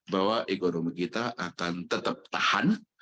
bahwa ekonomi kita akan tetap tahan